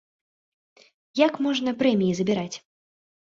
Як можна прэміі забіраць?